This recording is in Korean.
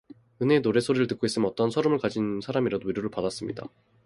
은희의 노래 소리를 듣고 있으면 어떠한 설움을 가진 사람이라도 위로를 받았습니다.